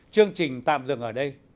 chương trình tạm dừng ở đây